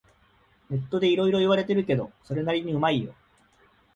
ネットでいろいろ言われてるけど、それなりにうまいよ